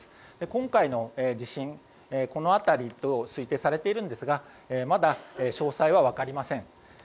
今回の地震、この辺りと推定されているんですがまだ詳細はわかりません。